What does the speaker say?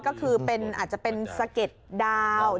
ก็คือเป็นสเก็ตดาวดาวตก